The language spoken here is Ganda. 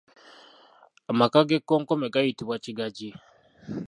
Amaka g’ekkonkome gayitibwa Kigagi.